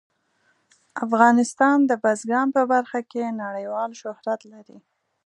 افغانستان د بزګان په برخه کې نړیوال شهرت لري.